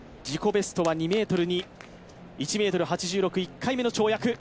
ベストは２ｍ２、１ｍ８６、１回目の跳躍。